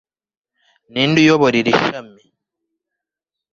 Ninde uyobora iri shami